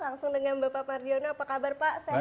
langsung dengan bapak mardiono apa kabar pak